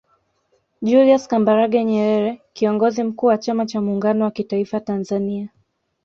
Julius Kambarage Nyerere Kiongozi Mkuu wa chama cha Muungano wa kitaifa Tanzania